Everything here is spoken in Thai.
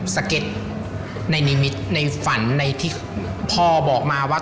สเก็ตในฝันในที่พ่อบอกมาว่า